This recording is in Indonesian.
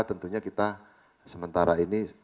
tentunya kita sementara ini